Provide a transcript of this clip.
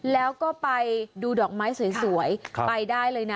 แล้วก็ไปดูดอกไม้สวยไปได้เลยนะ